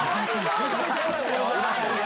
認めちゃいましたよ。